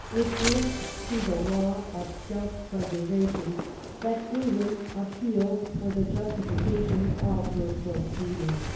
It is to the law of self preservation that England appeals for the justification of her proceedings."